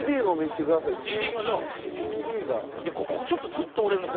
ここちょっとずっとおれるな。